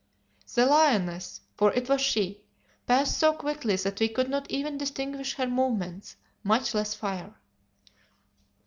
The lioness, for it was she, passed so quickly that we could not even distinguish her movements, much less fire.